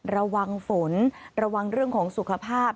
ระวังฝนระวังเรื่องของสุขภาพ